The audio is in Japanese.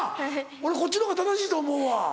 俺こっちのほうが正しいと思うわ。